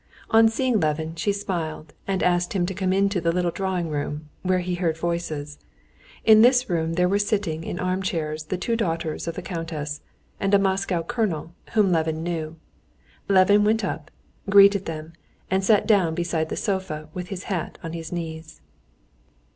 On seeing Levin she smiled, and asked him to come into the little drawing room, where he heard voices. In this room there were sitting in armchairs the two daughters of the countess, and a Moscow colonel, whom Levin knew. Levin went up, greeted them, and sat down beside the sofa with his hat on his knees.